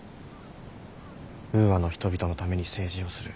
ウーアの人々のために政治をする。